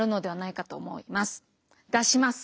出します。